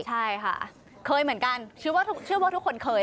ใช่ค่ะเคยเหมือนกันเชื่อว่าทุกคนเคย